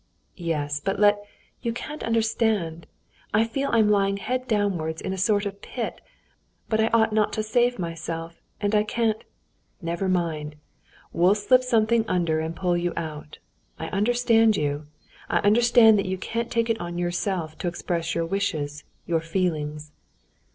"Yes, but let...." "You can't understand. I feel I'm lying head downwards in a sort of pit, but I ought not to save myself. And I can't...." "Never mind, we'll slip something under and pull you out. I understand you: I understand that you can't take it on yourself to express your wishes, your feelings."